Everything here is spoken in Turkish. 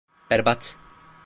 Berbat.